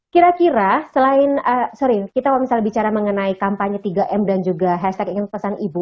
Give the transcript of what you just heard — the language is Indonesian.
kira kira selain sorry kita kalau misalnya bicara mengenai kampanye tiga m dan juga hashtag ingin pesan ibu